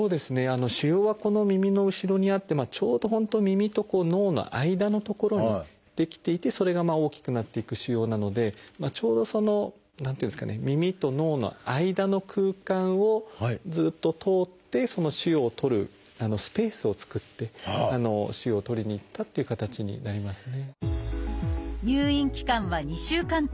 腫瘍はこの耳の後ろにあってちょうど本当耳と脳の間の所に出来ていてそれが大きくなっていく腫瘍なのでちょうど何ていうんですかね耳と脳の間の空間をずっと通って腫瘍を取るスペースを作って腫瘍を取りに行ったっていう形になりますね。